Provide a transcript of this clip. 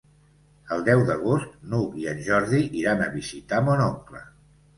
El deu d'agost n'Hug i en Jordi iran a visitar mon oncle.